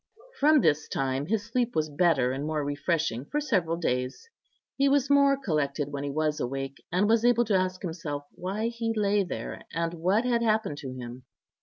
From this time his sleep was better and more refreshing for several days; he was more collected when he was awake, and was able to ask himself why he lay there, and what had happened to him.